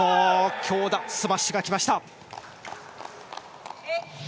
強打、スマッシュが来ました。